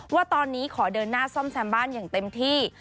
ว่าตอนนี้ขอเดินหน้าซ่อมแซมบ้านอย่างเต็มที่